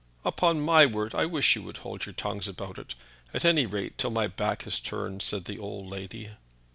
"Upon my word I wish you would hold your tongues about it; at any rate till my back is turned," said the old lady.